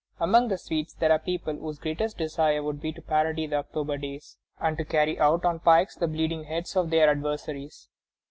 Among the Swedes there are people whose greatest desire would be to parody the October Days, and to carry about on pikes the bleeding heads of their adversaries.